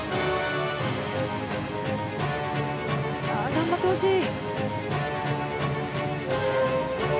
頑張ってほしい。